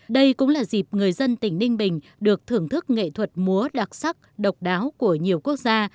đây cũng là dịp người dân tỉnh ninh bình được thưởng thức nghệ thuật múa đặc sắc độc đáo của nhiều quốc gia